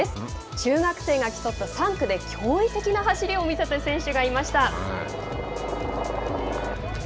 中学生が競った３区で驚異的な走りを見せた選手がいました。